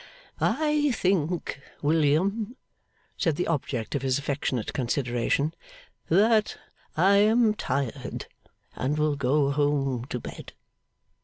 'I think, William,' said the object of his affectionate consideration, 'that I am tired, and will go home to bed.